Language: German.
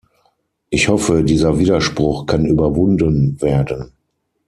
Ich hoffe, dieser Widerspruch kann überwunden werden.